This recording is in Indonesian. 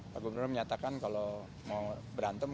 pak gubernur menyatakan kalau mau berantem